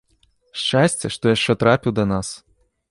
Шчасце, што яшчэ трапіў да нас.